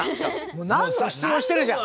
何度も質問してるじゃん。